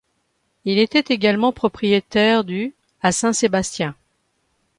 Il était également propriétaire du à Saint-Sébastien.